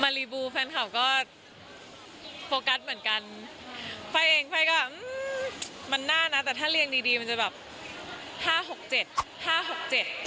มารีบูแฟนคอปก็โฟกัสเหมือนกันไฟเองไฟก็แบบมันน่านะแต่ถ้าเลี้ยงดีมันจะแบบ๕๖๗